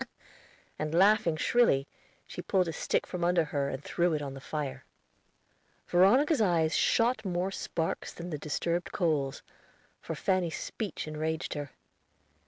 and, laughing shrilly, she pulled a stick from under her, and threw it on the fire. Veronica's eyes shot more sparks than the disturbed coals, for Fanny's speech enraged her.